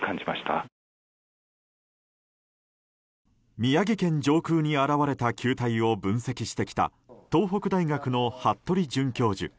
宮城県上空に現れた球体を分析してきた東北大学の服部准教授。